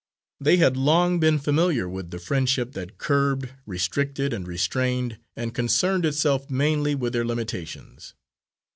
They had long been familiar with the friendship that curbed, restricted and restrained, and concerned itself mainly with their limitations.